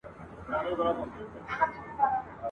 زه د باد په مخ کي شګوفه یمه رژېږمه ..